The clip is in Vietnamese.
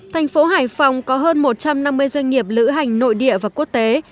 thành phố hải phòng có hơn một trăm năm mươi doanh nghiệp lữ hành nội địa và quốc tế